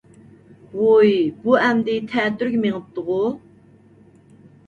ۋوي بۇ ئەمدى تەتۈرىگە مېڭىپتىغۇ؟